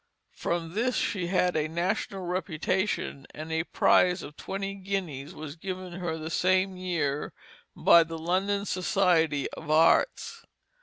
From this she had a national reputation, and a prize of twenty guineas was given her the same year by the London Society of Arts.